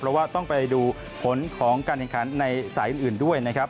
เพราะว่าต้องไปดูผลของการแข่งขันในสายอื่นด้วยนะครับ